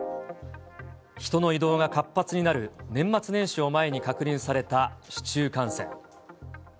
人の移動が活発になる年末年始を前に確認された市中感染。